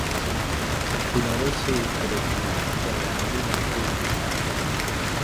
Florece y fructifica de abril a julio.